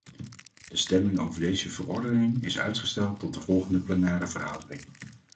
De stemming over deze verordening is uitgesteld tot de volgende plenaire vergadering.